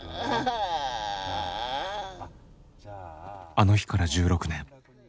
あの日から１６年。